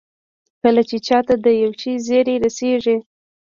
کله چې چا ته د يوه شي زېری رسېږي.